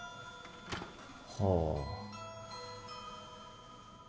はあ。